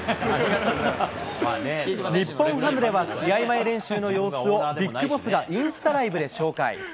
日本ハムでは、試合前練習の様子をＢＩＧＢＯＳＳがインスタライブで紹介。